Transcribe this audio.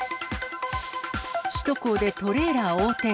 首都高でトレーラー横転。